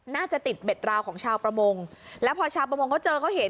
น่าจะติดเบ็ดราวของชาวประมงแล้วพอชาวประมงเขาเจอเขาเห็น